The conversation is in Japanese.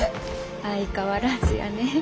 相変わらずやねえ。